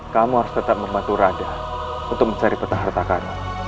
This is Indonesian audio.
kamu harus tetap membantu radha untuk mencari peta harta karun